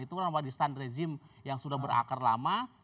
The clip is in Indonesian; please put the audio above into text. itu kan wadisan rezim yang sudah berakar lama